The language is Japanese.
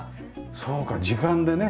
そうか時間でね。